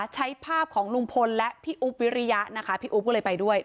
ใช้ภาพของลุงพลและพี่อุ๊บวิริยะนะคะพี่อุ๊บก็เลยไปด้วย